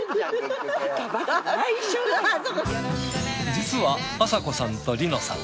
実はあさこさんと梨乃さん